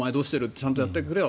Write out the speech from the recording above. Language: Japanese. ちゃんとやってくれよ。